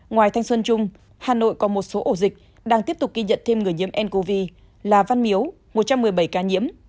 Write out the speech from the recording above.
ngoài thanh xuân trung hà nội còn một số ổ dịch đang tiếp tục ghi nhận thêm người nhiễm ncov là văn miếu một trăm một mươi bảy ca nhiễm